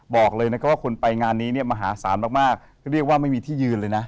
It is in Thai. บอกเลยนะครับว่าคนไปงานนี้เนี่ยมหาศาลมากมากเรียกว่าไม่มีที่ยืนเลยนะ